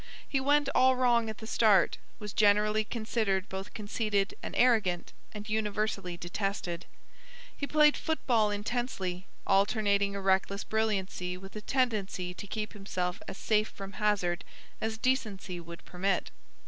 He went all wrong at the start, was generally considered both conceited and arrogant, and universally detested. He played football intensely, alternating a reckless brilliancy with a tendency to keep himself as safe from hazard as decency would permit.